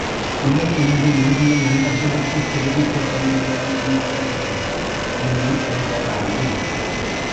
இதை எனது இந்திய நண்பர்களுக்குத் தெரிவிக்க வேண்டியது என் கடமை என எண்ணி எழுதலானேன்.